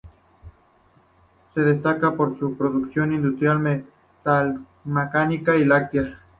Se destaca por su producción industrial metalmecánica y láctea.